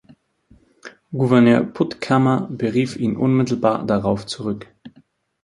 Gouverneur Puttkamer berief ihn unmittelbar darauf zurück.